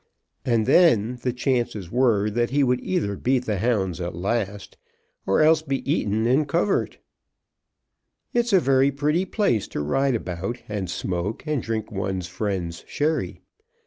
And then the chances were that he would either beat the hounds at last, or else be eaten in covert. "It's a very pretty place to ride about and smoke and drink one's friend's sherry."